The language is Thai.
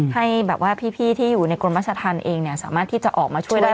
ให้พี่ที่อยู่ในกรมัศชธรรมเองรียมมาช่วยได้